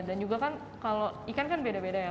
dan juga kan kalau ikan kan beda beda ya